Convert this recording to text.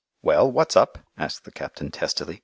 "Well, what's up?" asked the captain testily.